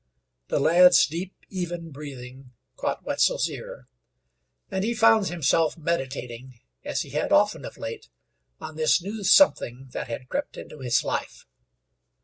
The lad's deep, even breathing caught Wetzel's ear, and he found himself meditating, as he had often of late, on this new something that had crept into his life.